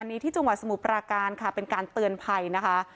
อันนี้ที่จังหวะสมุปราการค่ะเป็นการเตือนภัยนะคะ